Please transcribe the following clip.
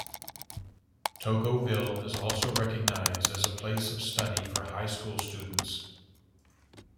Togoville is also recognized as a place of study for High School students.